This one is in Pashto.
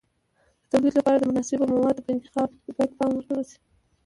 د تولید لپاره د مناسبو موادو په انتخاب کې باید پام ورته وشي.